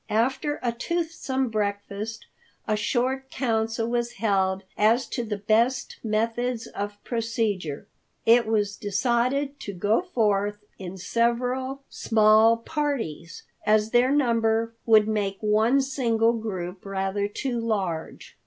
After a toothsome breakfast, a short council was held as to the best methods of procedure. It was decided to go forth in several small parties, as their number would make one single group rather too large.